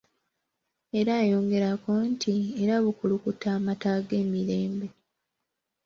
Era ayongerako nti, "era bukulukuta amata ag'emirembe".